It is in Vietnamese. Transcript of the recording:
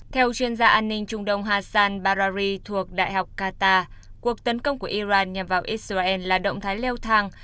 theo chuyên gia an ninh trung đông hassan barari thuộc đại học qatar cuộc tấn công của iran nhằm vào israel là động thái leo thang